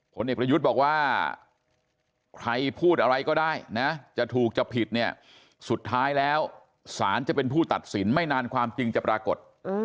ผลเอกประยุทธ์บอกว่าใครพูดอะไรก็ได้นะจะถูกจะผิดเนี่ยสุดท้ายแล้วศาลจะเป็นผู้ตัดสินไม่นานความจริงจะปรากฏ